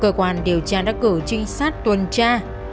cơ quan điều tra đã cử trinh sát tuần tra